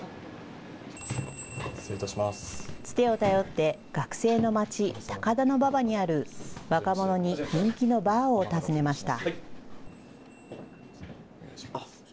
つてを頼って学生の街、高田馬場にある若者に人気のバーを訪ねました。